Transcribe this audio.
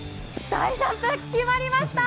大ジャンプ、決まりました。